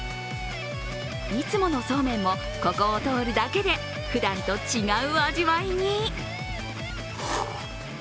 いつものそうめんもここを通るだけでふだんと違う味わいに。